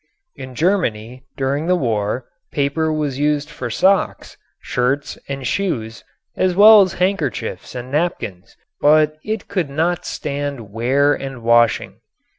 In Germany during the war paper was used for socks, shirts and shoes as well as handkerchiefs and napkins but it could not stand wear and washing.